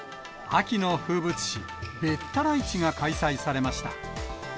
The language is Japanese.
秋の風物詩、べったら市が開催されました。